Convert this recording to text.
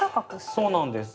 そうなんです。